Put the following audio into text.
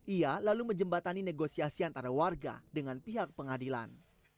ia lalu menjembatani negosiasi antara warga dengan pihak pengadilan